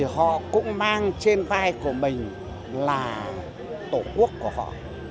nó mang trên vai của mình là tổ quốc của họ